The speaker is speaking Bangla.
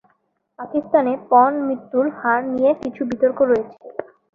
পাকিস্তানে পণ মৃত্যুর হার নিয়ে কিছু বিতর্ক রয়েছে।